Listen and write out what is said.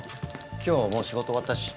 今日はもう仕事終わったし。